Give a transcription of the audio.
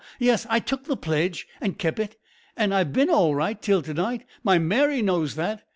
yes, I took the pledge an' kep' it, an' I've bin all right till to night. My Mary knows that.